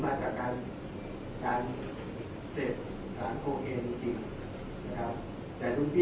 แต่ว่าไม่มีปรากฏว่าถ้าเกิดคนให้ยาที่๓๑